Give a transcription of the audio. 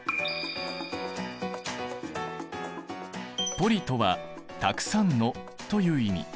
ポリとは「たくさんの」という意味。